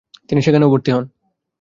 তিনি সেখানেও ভর্তি হন।